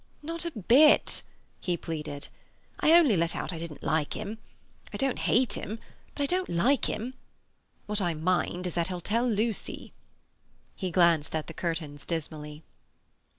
"Not a bit!" he pleaded. "I only let out I didn't like him. I don't hate him, but I don't like him. What I mind is that he'll tell Lucy." He glanced at the curtains dismally.